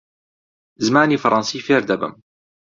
زمانی فەڕەنسی فێر دەبم.